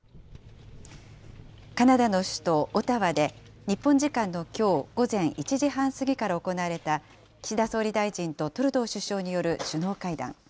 カナダの首都オタワで、日本時間のきょう午前１時半過ぎから行われた岸田総理大臣とトルドー首相による首脳会談。